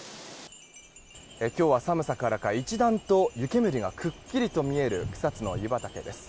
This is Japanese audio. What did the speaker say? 今日は寒さからか一段と湯けむりがくっきりと見える草津の湯畑です。